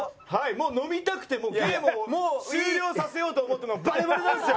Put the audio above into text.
もう飲みたくてゲームをもう終了させようと思ったのバレバレなんですよ！